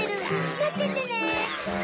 まっててね！